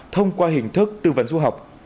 thông qua hình thức tư vấn du học